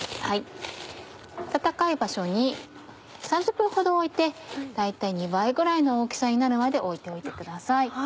温かい場所に３０分ほど置いて大体２倍ぐらいの大きさになるまで置いておいてください。